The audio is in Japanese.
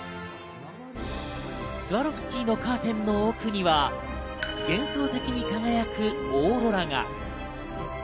スワロフスキーのカーテンの奥には幻想的に輝くオーロラが。